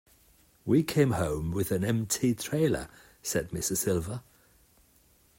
We came home with an empty trailer said Mr. Silva.